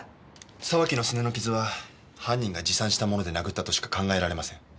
沢木のスネの傷は犯人が持参した物で殴ったとしか考えられません。